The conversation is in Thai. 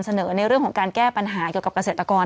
ในเรื่องของการแก้ปัญหาเกี่ยวกับเกษตรกร